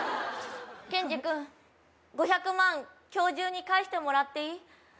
ケンジ君５００万今日中に返してもらっていい？